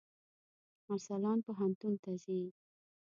ارسلان پوهنتون ته ځي.